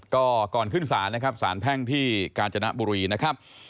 ก็ก่อนขึ้นศาลนะครับสารแพ่งที่กาญจนบุรีนะครับ